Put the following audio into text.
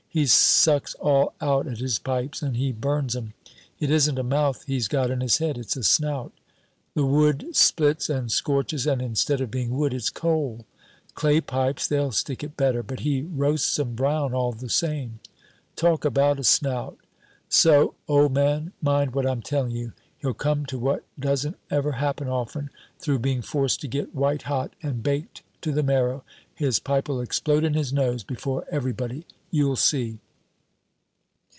He sucks all out at his pipes, and he burns 'em. It isn't a mouth he's got in his head, it's a snout. The wood splits and scorches, and instead of being wood, it's coal. Clay pipes, they'll stick it better, but he roasts 'em brown all the same. Talk about a snout! So, old man, mind what I'm telling you, he'll come to what doesn't ever happen often; through being forced to get white hot and baked to the marrow, his pipe'll explode in his nose before everybody. You'll see."